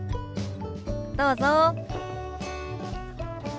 どうぞ。